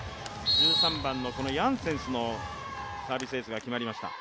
１３番のヤンセンスのサービスエースが決まりました。